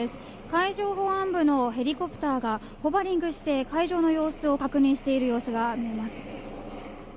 海上保安部のヘリコプターがホバリングして海上の様子を確認している様子が見えます。